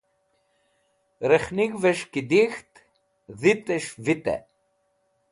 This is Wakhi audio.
Rẽkhnig̃hves̃h ki dik̃ht dhitẽs̃h vitẽ.